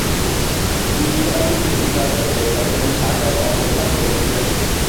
গ্রীষ্মকালীন ছুটি কাটাতে তখন ঢাকায় অবস্থান করছিলেন।